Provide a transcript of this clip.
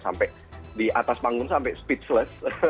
sampai di atas panggung sampai speechless